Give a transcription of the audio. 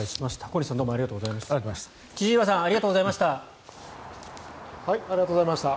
小西さん、千々岩さんありがとうございました。